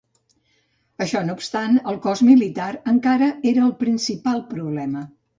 Això no obstant, el cos militar encara era el principal problema.